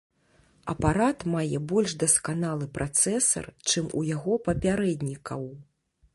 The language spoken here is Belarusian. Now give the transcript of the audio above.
Апарат мае больш дасканалы працэсар, чым у яго папярэднікаў.